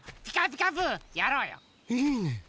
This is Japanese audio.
いいね！